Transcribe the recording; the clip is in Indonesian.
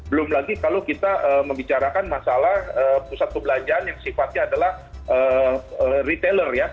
belum lagi kalau kita membicarakan masalah pusat perbelanjaan yang sifatnya adalah retailer ya